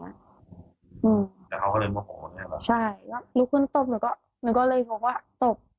แล้วเขาก็เลยใช่ก็ลุกขึ้นตบหนึ่งก็หนึ่งก็เลยเขาว่าตบ